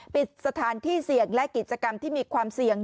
ปิดสถานที่เสี่ยงและกิจกรรมที่มีความเสี่ยง